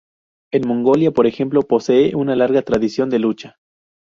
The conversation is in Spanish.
En Mongolia, por ejemplo, posee una larga tradición de lucha.